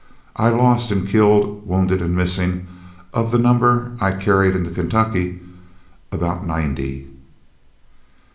I lost in killed, wounded, and missing of the number I carried into Kentucky, about ninety."